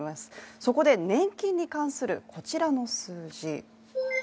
そこで年金に関するこちらの数字。